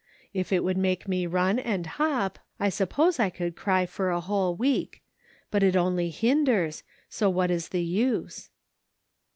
If it would make me run and hop, I suppose I could cry for a whole week ; but it only hinders, so what is the use?"